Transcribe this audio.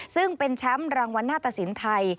ซึ่งเป็นแชมป์รางวัลหน้าตสินไทย